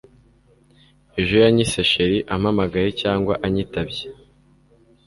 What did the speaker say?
Ejo yanyise Cherie ampamagaye cyangwa anyitabye